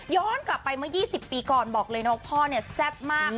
กลับไปเมื่อ๒๐ปีก่อนบอกเลยนะว่าพ่อเนี่ยแซ่บมาก